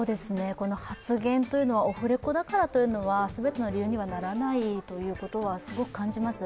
この発言というのはオフレコだからというのは全ての理由にならないというのはすごく感じます。